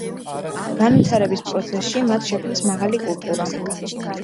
განვითარების პროცესში მათ შექმნეს მაღალი კულტურა.